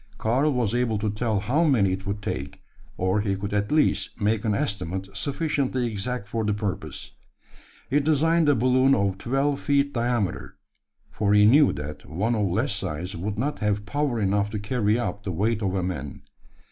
Karl was able to tell how many it would take; or he could at least make an estimate sufficiently exact for the purpose. He designed a balloon of twelve feet diameter: for he knew that one of less size would not have power enough to carry up the weight of a man.